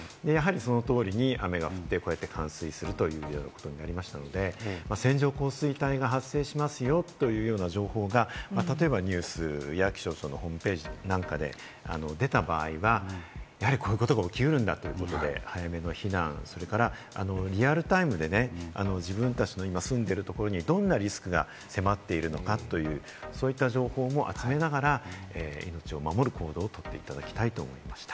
その通りに雨が降って、こうして冠水するということになりましたので、線状降水帯が発生しますよというような情報が例えばニュースや気象庁のホームページなんかで出た場合は、やはりこういうことが起きるんだということで早めの避難、それからリアルタイムでね、自分たちの今住んでるところにどんなリスクが迫っているのかという、そういった情報も集めながら、命を守る行動をとっていただきたいと思いました。